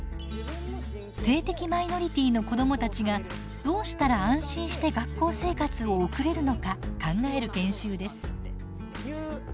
性的マイノリティーの子どもたちがどうしたら安心して学校生活を送れるのか考える研修です。